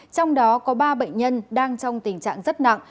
trong đó có ba bệnh nhân đang trong tình trạng rất nặng